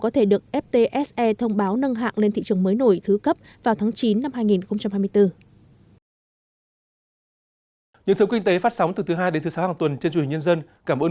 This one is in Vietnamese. có thể được ftse thông báo nâng hạng lên thị trường mới nổi thứ cấp